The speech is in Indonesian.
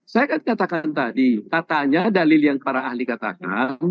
saya kan katakan tadi katanya dalil yang para ahli katakan